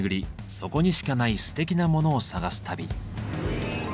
そこにしかないすてきなモノを探す旅。